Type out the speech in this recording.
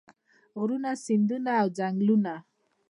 غرونه سیندونه او ځنګلونه.